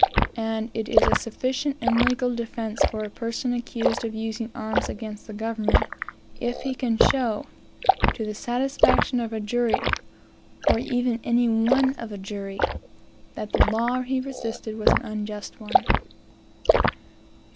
And it is a sufficient and legal defence for a person accused of using arms against the government, if he can show, to the satisfaction of a jury, or even any one of a jury, that the law he resisted was an unjust one.